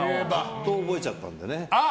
覚えちゃったんで。